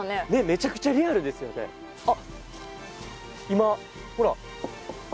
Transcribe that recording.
めちゃくちゃリアルですよねあっ